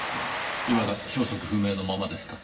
いまだ消息不明のままですか？